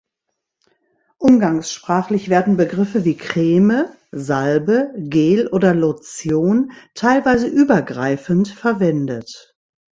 Umgangssprachlich werden Begriffe wie Creme, Salbe, Gel oder Lotion teilweise übergreifend verwendet.